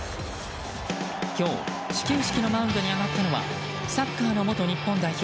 今日、始球式のマウンドに上がったのはサッカーの元日本代表